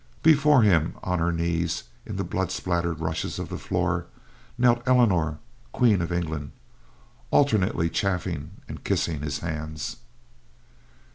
Before him, on her knees in the blood spattered rushes of the floor, knelt Eleanor, Queen of England, alternately chafing and kissing his hands.